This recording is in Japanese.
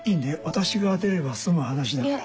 私が出れば済む話だから。